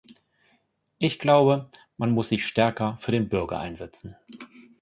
Ich glaube, man muss sich stärker für den Bürger einsetzen.